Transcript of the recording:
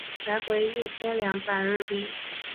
来回一千两百日币